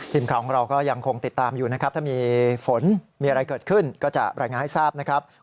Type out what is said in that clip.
ทีมข่าวของเราก็ยังคงติดตามอยู่นะครับถ้ามีฝนมีอะไรเกิดขึ้นก็จะรายงานให้ทราบนะครับ